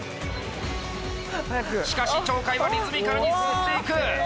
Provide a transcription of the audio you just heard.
しかし鳥海はリズミカルに進んでいく。